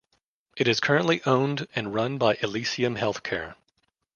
It is currently owned and run by Elysium Healthcare.